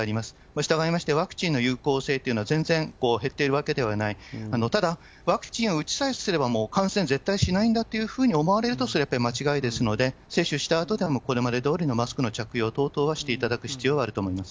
したがいまして、ワクチンの有効性というのは全然減っているわけではない、ただ、ワクチンを打ちさえすればもう感染絶対しないんだというふうに思われるとそれはやっぱり間違いですので、接種したあとでもこれまでどおり、マスクの着用等々はしていただく必要はあると思います。